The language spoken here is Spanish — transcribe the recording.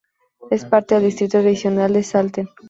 Es parte del distrito tradicional de Salten.